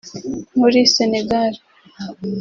muri Senegal